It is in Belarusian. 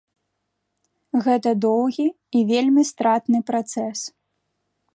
Гэта доўгі і вельмі стратны працэс.